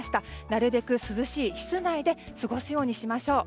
なるべく涼しい室内で過ごすようにしましょう。